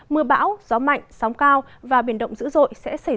mưa bão gió mạnh sóng cao và biển động dữ dội sẽ xảy ra